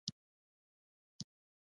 توریالی سږ کال له خپلې بزگرۍ خوښ دی.